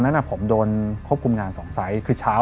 นั้นน่ะผมโดนควบคุมงานสองสายคือเช้า